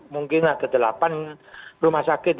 mungkin ada delapan rumah sakit